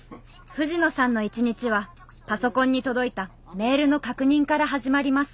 藤野さんの一日はパソコンに届いたメールの確認から始まります。